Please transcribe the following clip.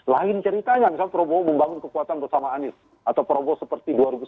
lain ceritanya misalnya prabowo membangun kekuatan bersama anies atau prabowo seperti dua ribu sembilan belas